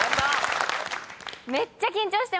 めっちゃ緊張してます。